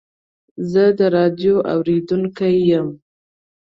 زه د راډیو اورېدونکی یم.